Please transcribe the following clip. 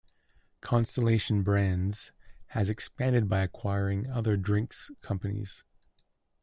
Constellation Brands has expanded by acquiring other drinks companies.